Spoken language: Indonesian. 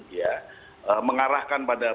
ya mengarahkan pada